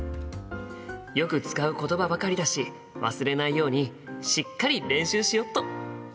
よく使うことばばかりだし忘れないようにしっかり練習しよっと。